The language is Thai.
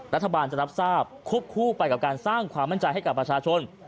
รัฐบาลจะรับทราบควบคู่ไปกับการสร้างความมั่นใจให้กับประชาชน